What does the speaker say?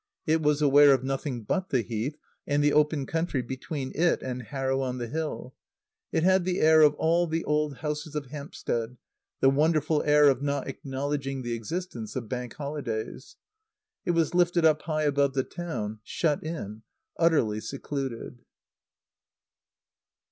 It was aware of nothing but the Heath and the open country between it and Harrow on the Hill. It had the air of all the old houses of Hampstead, the wonderful air of not acknowledging the existence of Bank Holidays. It was lifted up high above the town; shut in; utterly secluded.